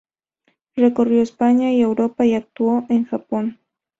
Recorrió España y Europa y actuó en Japón.